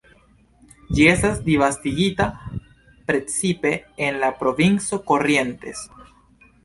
Ĝi esta disvastigita precipe en la provinco Corrientes.